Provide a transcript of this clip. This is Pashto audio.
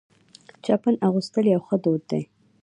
چپن اغوستل یو ښه دود دی.